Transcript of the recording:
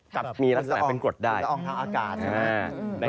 กับมีลักษณะเป็นกรดได้ใช่ไหมครับฟูระองทางอากาศ